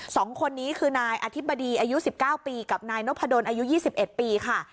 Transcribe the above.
สองคนนี้คือนายอธิบดีอายุสิบเก้าปีกับนายนพดนอายุยี่สิบเอ็ดปีค่ะ